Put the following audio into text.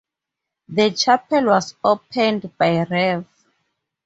The chapel was opened by Rev.